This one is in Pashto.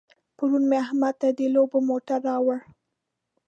پرون مې احمد ته د لوبو موټر راوړ.